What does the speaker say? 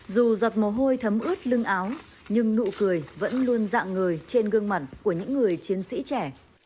dù giọt mồ hôi thấm ướt lưng áo nhưng nụ cười vẫn luôn dạng người trên gương mặt của những người chiến sĩ trẻ